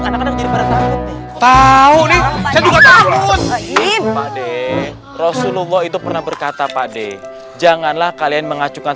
tahu ini ini nggak boleh pakde rasulullah itu pernah berkata pakde janganlah kalian mengacukan